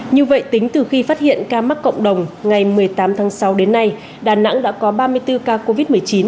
như vậy tính từ khi phát hiện ca mắc cộng đồng ngày một mươi tám tháng sáu đến nay đà nẵng đã có ba mươi bốn ca covid một mươi chín